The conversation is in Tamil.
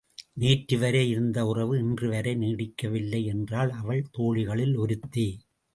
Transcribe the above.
நேற்றுவரை இருந்த உறவு இன்றுவரை நீடிக்கவில்லை என்றாள் அவள் தோழிகளுள் ஒருத்தி.